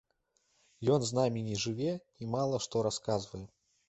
Ён з намі не жыве і мала што расказвае.